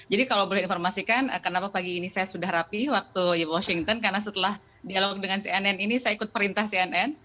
jadi kalau boleh informasikan kenapa pagi ini saya sudah rapi waktu washington karena setelah dialog dengan cnn ini saya ikut perintah cnn